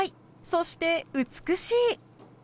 そして美しい！